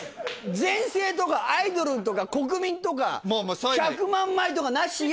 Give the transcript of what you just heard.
全盛とかアイドルとか国民とか１００万枚とかなしで。